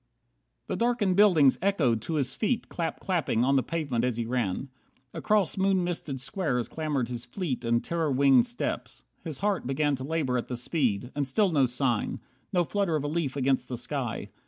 58 The darkened buildings echoed to his feet Clap clapping on the pavement as he ran. Across moon misted squares clamoured his fleet And terror winged steps. His heart began To labour at the speed. And still no sign, No flutter of a leaf against the sky.